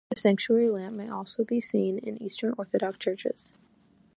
The sanctuary lamp may also be seen in Eastern Orthodox Churches.